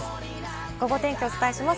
ゴゴ天気お伝えします。